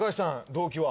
動機は？